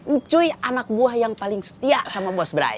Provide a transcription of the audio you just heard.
ncuy anak buah yang paling setia sama bos brai